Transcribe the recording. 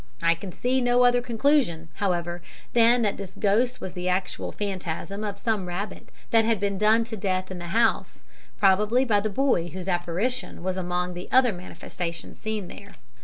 I can see no other conclusion, however, than that this ghost was the actual phantasm of some rabbit that had been done to death in the house, probably by the boy whose apparition was among the other manifestations seen there.